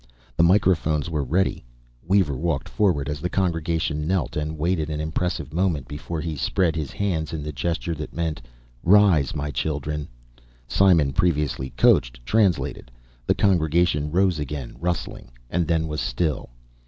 The microphones were ready. Weaver walked forward as the congregation knelt, and waited an impressive moment before He spread His hands in the gesture that meant, "Rise, my children." Simon, previously coached, translated. The congregation rose again, rustling, and then was still.